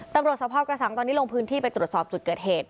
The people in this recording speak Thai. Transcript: สภาพกระสังตอนนี้ลงพื้นที่ไปตรวจสอบจุดเกิดเหตุ